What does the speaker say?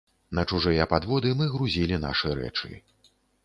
На чужыя падводы мы грузілі нашы рэчы.